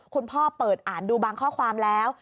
เปิดอ่านดูบางข้อความแล้ว